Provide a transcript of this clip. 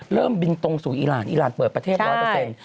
เริ่มบินตรงสู่อีรานอีรานเปิดประเทศร้อยเปอร์เซ็นต์